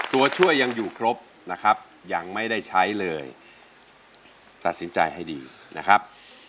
ตัวช่วยยังอยู่ครบนะครับยังไม่ได้ใช้เลยตัดสินใจให้ดีนะครับ